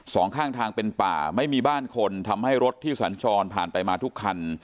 สองข้างทางเป็นป่าไม่มีบ้านคนทำให้รถที่สัญจรผ่านไปมาทุกคัน